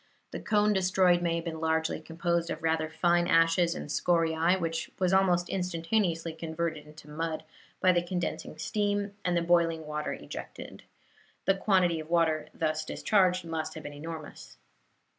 The cone destroyed may have been largely composed of rather fine ashes and scoriae, which was almost instantaneously converted into mud by the condensing steam and the boiling water ejected. The quantity of water thus discharged must have been enormous.